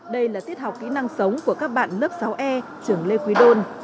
đây là tiết học kỹ năng sống của các bạn lớp sáu e trường lê quý đôn